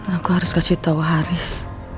aku harus kasih tahu haris